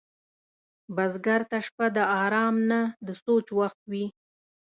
بزګر ته شپه د آرام نه، د سوچ وخت وي